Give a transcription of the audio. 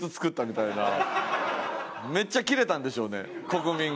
めっちゃキレたんでしょうね国民が。